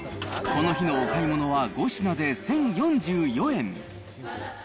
この日のお買い物は５品で１０４４円。